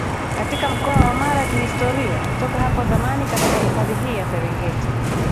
katika Mkoa wa Mara Kihistoria toka hapo zamani katika hifadhi hii ya Serengeti